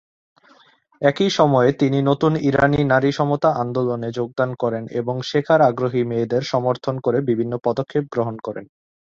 একই সময়ে তিনি নতুন ইরানি নারী সমতা আন্দোলনে যোগদান করেন এবং শেখার আগ্রহী মেয়েদের সমর্থন করে বিভিন্ন পদক্ষেপ গ্রহণ করেন।